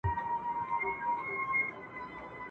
کمالونه چي د هري مرغۍ ډیر وي ..